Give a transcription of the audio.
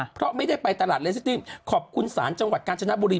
เพราะไม่ได้ไปตลาดเลสตี้ขอบคุณศาลจังหวัดกาญจนบุรี